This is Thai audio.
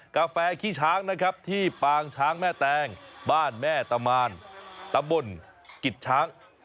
กาแฟขี้ช้างนะครับที่ปางช้างแม่แตงบ้านแม่ตะมานตำบลกิจช้าง